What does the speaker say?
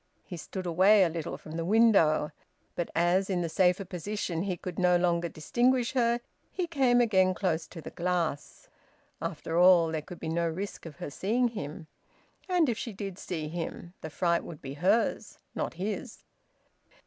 He stood away a little from the window, but as in the safer position he could no longer distinguish her he came again close to the glass. After all, there could be no risk of her seeing him. And if she did see him, the fright would be hers, not his.